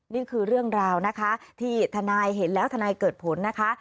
นี่คือเรื่องราวนะคะที่ทนายเห็นแล้วทนายเกิดผลนะคะ